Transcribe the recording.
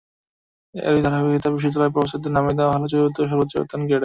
এরই ধারাবাহিকতায় বিশ্ববিদ্যালয়ের প্রফেসরদের নামিয়ে দেওয়া হলো চতুর্থ সর্বোচ্চ বেতনের গ্রেডে।